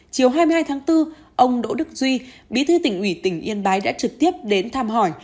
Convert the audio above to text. chiều hai mươi hai tháng bốn ông đỗ đức duy bí thư tỉnh ủy tỉnh yên bái đã trực tiếp đến thăm hỏi